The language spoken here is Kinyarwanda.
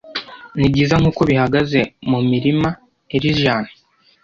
Nibyiza nkuko bihagaze mumirima Elysian,